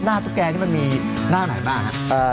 หน้าตุ๊กแก่นี่มันมีหน้าหน่อยบ้างครับ